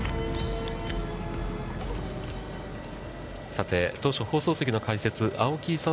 さて、当初、放送席の解説、青木功